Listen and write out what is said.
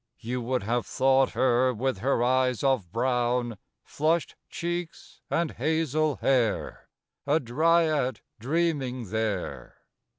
You would have thought her, with her eyes of brown, Flushed cheeks and hazel hair, A Dryad dreaming there.